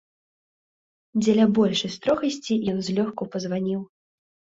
Дзеля большай строгасці ён злёгку пазваніў.